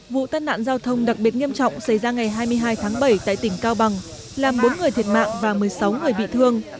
vụ tai nạn giao thông đặc biệt nghiêm trọng xảy ra ngày hai mươi hai tháng bảy tại tỉnh cao bằng làm bốn người thiệt mạng và một mươi sáu người bị thương